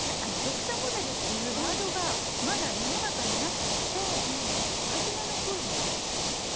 読者モデルっていうワードがまだ世の中になくて初めのころなんです。